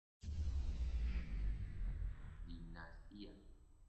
Sabe que solo una mujer puede forjar una dinastía.